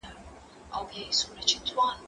زه مخکي کښېناستل کړي وو؟